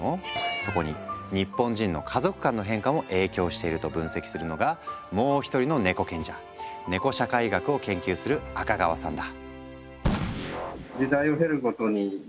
そこに日本人の家族観の変化も影響していると分析するのがもう一人のネコ賢者ネコ社会学を研究する赤川さんだ。